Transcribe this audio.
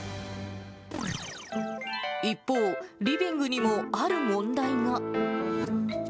一方、リビングにもある問題が。